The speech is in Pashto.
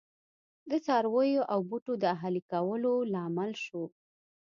د څارویو او بوټو د اهلي کولو لامل شو.